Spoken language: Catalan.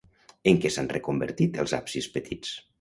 En què s'han reconvertit els absis petits?